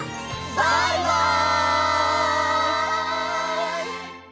バイバイ！